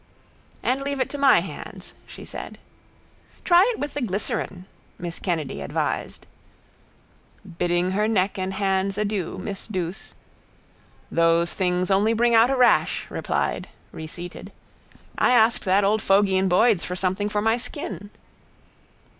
—And leave it to my hands, she said. —Try it with the glycerine, miss Kennedy advised. Bidding her neck and hands adieu miss Douce —Those things only bring out a rash, replied, reseated. I asked that old fogey in Boyd's for something for my skin.